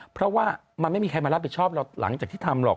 เพราะว่ามันไม่มีใครมารับผิดชอบเราหลังจากที่ทำหรอก